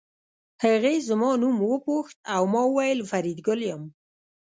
هغې زما نوم وپوښت او ما وویل فریدګل یم